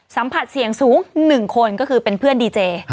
สัมผัสเสี่ยงสูง๑คนก็คือเป็นเพื่อนดีเจ